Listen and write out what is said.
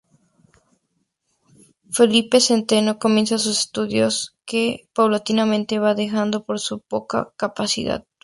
Felipe Centeno comienza sus estudios, que paulatinamente va dejando por su poca capacidad.